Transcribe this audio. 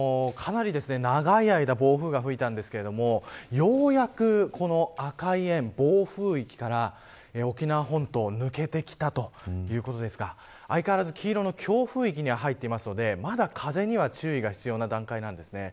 かなり長い間暴風が吹いたんですけどようやく赤い円、暴風域から沖縄本島、抜けてきたということですが相変わらず黄色の強風域には入っていますのでまだ風には注意が必要な段階です。